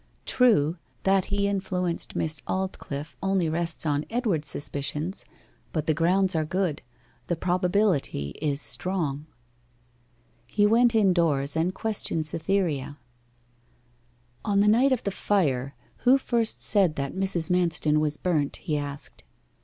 True, that he influenced Miss Aldclyffe only rests on Edward's suspicions, but the grounds are good the probability is strong.' He went indoors and questioned Cytherea. 'On the night of the fire, who first said that Mrs. Manston was burnt?' he asked.